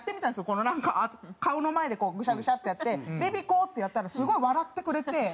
このなんか顔の前でぐしゃぐしゃってやって「ベビ子！」ってやったらすごい笑ってくれて。